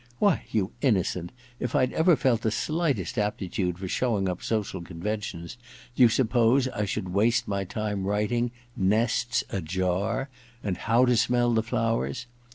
Why, you innocent, if I'd ever felt the slightest aptitude for showing up social conventions, do you suppose I should waste my time writing "Nests Ajar" and " How to Smell the Flowers